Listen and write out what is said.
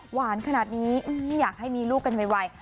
หวานขนาดนี้อยากให้มีลูกกันไว